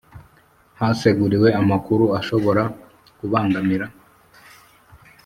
Haseguriwe amakuru ashobora kubangamira